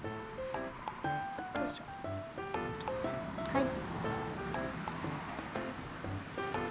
はい。